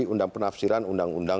undang undang penafsiran tentang pilkada